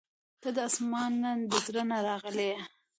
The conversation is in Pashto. • ته د اسمان نه، د زړه نه راغلې یې.